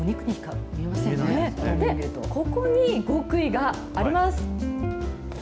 ここに極意があります。